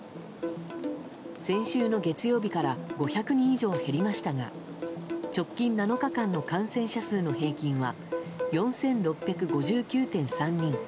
先週の月曜日から５００人以上減りましたが直近７日間の感染者数の平均は４６５９．３人。